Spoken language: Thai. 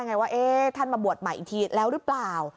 ไงว่าท่านมาบวชใหม่อีกทีแล้วหรือเปล่า